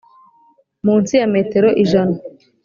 Munsi ya metero ijana